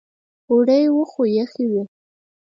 اوړی و خو یخې وې.